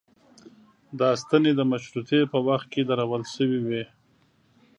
دا ستنې د مشروطې په وخت کې درول شوې وې.